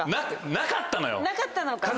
なかったのか。